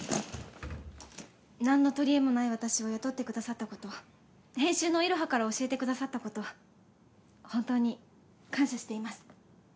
なんの取りえもない私を雇ってくださった事編集のイロハから教えてくださった事本当に感謝しています。